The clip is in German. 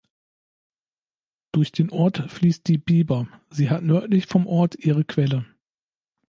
Durch den Ort fließt die Biber; sie hat nördlich vom Ort ihre Quelle.